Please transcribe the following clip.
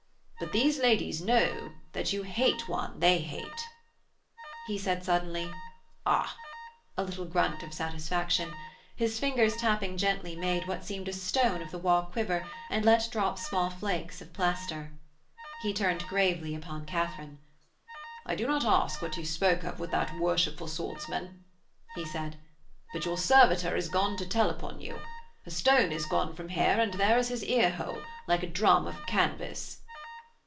'But these ladies know that you hate one they hate.' He said suddenly, 'Ah!' a little grunt of satisfaction. His fingers tapping gently made what seemed a stone of the wall quiver and let drop small flakes of plaster. He turned gravely upon Katharine: 'I do not ask what you spoke of with that worshipful swordsman,' he said. 'But your servitor is gone to tell upon you. A stone is gone from here and there is his ear hole, like a drum of canvas.'